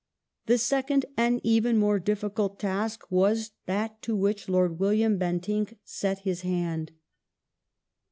The second and even more difficult task was that to which Lo;*d William Bentinck set his hand.